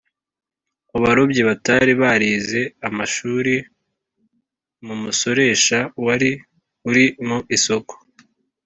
mu barobyi batari barize amashuri, mu musoresha wari uri mu isoko